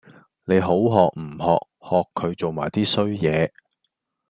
你好學唔學！學佢做埋 D 衰野